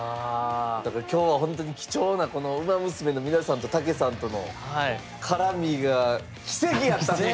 いやだから今日はほんとに貴重なこのウマ娘の皆さんと武さんとの絡みが奇跡やったね！